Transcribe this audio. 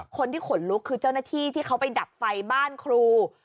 คนที่ขนลุกคือเจ้าหน้าที่ที่เขาไปดับไฟบ้านครู